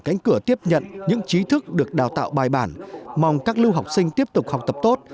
cánh cửa tiếp nhận những trí thức được đào tạo bài bản mong các lưu học sinh tiếp tục học tập tốt